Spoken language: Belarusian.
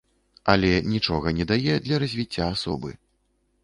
Але нічога не дае для развіцця асобы.